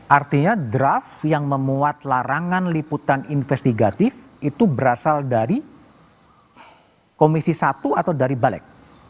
artinya draft yang memuat larangan liputan investigatif itu berasal dari komisi satu atau dari balik